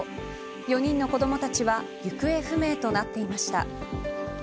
４人の子どもたちは行方不明となっていました。